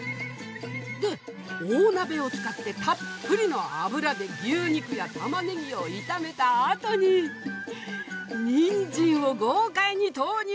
で大鍋を使ってたっぷりの油で牛肉やたまねぎを炒めたあとにニンジンを豪快に投入！